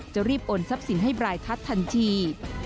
จะรีบโอนทรัพย์สินให้บรายคัดทันที